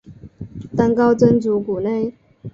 当高僧祖古内。